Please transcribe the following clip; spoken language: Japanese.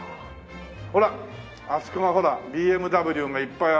ほらあそこがＢＭＷがいっぱいある。